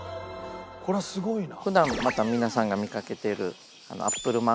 これはすごいな。